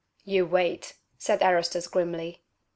"You wait," said Erastus, grimly.